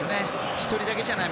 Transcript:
１人だけじゃない。